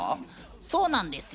そうなんですよ。